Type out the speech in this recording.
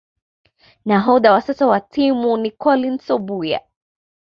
Nahodha wa sasa wa timu ni Collins Obuya